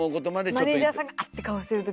マネージャーさんが「あ！」って顔してる時。